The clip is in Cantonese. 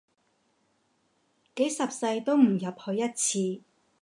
幾十世都唔入去一次